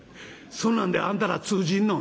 そんなんであんたら通じんの？」。